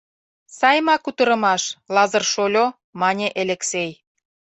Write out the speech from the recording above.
— Сай ма кутырымаш, Лазыр шольо! — мане Элексей.